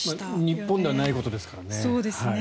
日本ではないことですからね。